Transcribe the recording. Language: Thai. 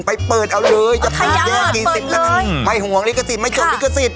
ไปเปิดเอาเลยเอาทะเยาะเปิดเลยไม่ห่วงลิขสิทธิ์ไม่จบลิขสิทธิ์